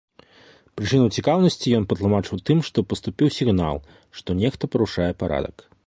Прычыну цікаўнасці ён патлумачыў тым, што паступіў сігнал, што нехта парушае парадак.